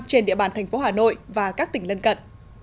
trên địa bàn thành phố hà nội và các tỉnh lân cận